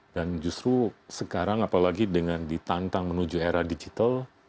dan justru sekarang apalagi dengan ditantang menuju era digital